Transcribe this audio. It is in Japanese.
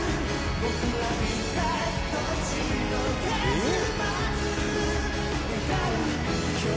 「えっ！」